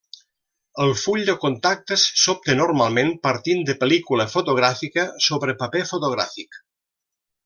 El full de contactes s'obté normalment partint de pel·lícula fotogràfica sobre paper fotogràfic.